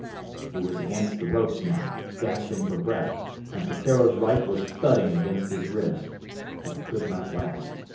He was against the ropes now, gasping for breath, and Peteiro's right was thudding against his ribs. It could not last.